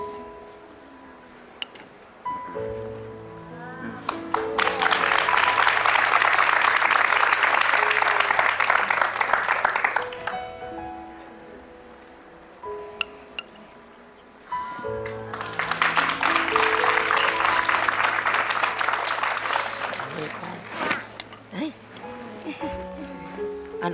จริง